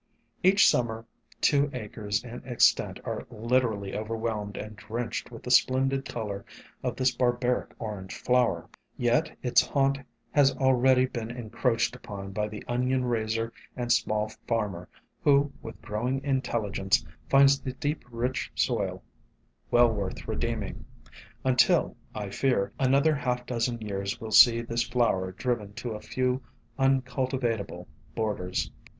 Each summer two acres in extent are literally overwhelmed and drenched with the splendid color 150 SOME HUMBLE ORCHIDS of this barbaric orange flower. Yet its haunt has already been encroached upon by the onion raiser and small farmer who, with growing intelligence, finds the deep rich soil well worth redeeming, until, I fear, another half dozen years will see this flower driven to a few uncultivatable borders.